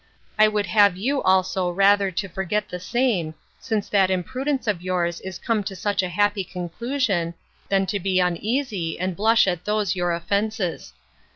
I would have you also rather to forget the same, since that imprudence of yours is come to such a happy conclusion, than to be uneasy and blush at those your offenses.